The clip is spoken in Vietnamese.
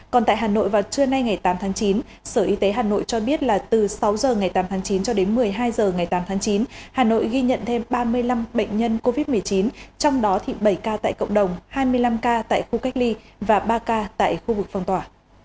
còn tại hà nội vào trưa nay ngày tám tháng chín sở y tế hà nội cho biết là từ sáu h ngày tám tháng chín cho đến một mươi hai h ngày tám tháng chín hà nội ghi nhận thêm ba mươi năm bệnh nhân covid một mươi chín trong đó thì bảy ca tại cộng đồng hai mươi năm ca tại khu cách ly và ba ca tại khu vực phong tỏa